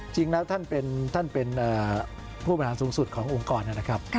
จริงแล้วท่านเป็นผู้บริหารสูงสุดขององค์กรนะครับ